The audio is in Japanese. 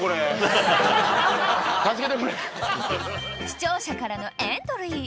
［視聴者からのエントリー］